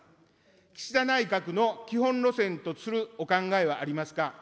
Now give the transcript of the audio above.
岸田内閣の基本路線とするお考えはありますか。